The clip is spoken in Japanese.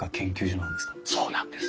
そうなんです。